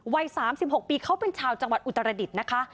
วัย๓๖ปีเขาเป็นชาวจังหวัดอุตรดิษฐ์นะคะ